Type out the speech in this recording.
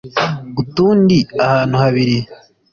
utundi ahantu habiri